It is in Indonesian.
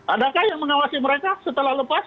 adakah yang mengawasi mereka setelah lepas